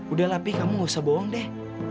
udahlah pi kamu gak usah bohong deh